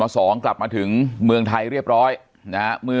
สวัสดีครับทุกผู้ชม